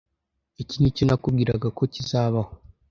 Iki nicyo nakubwiraga ko kizabaho.